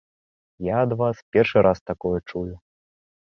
Я ад вас першы раз такое чую!